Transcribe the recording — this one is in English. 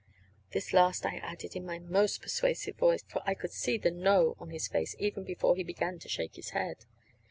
This last I added in my most persuasive voice, for I could see the "no" on his face even before he began to shake his head.